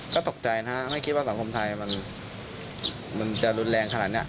ก็ตกใจนะฮะไม่คิดว่าสังคมไทยมันจะรุนแรงขนาดนี้